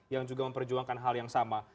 yang juga memperjuangkan hal yang sama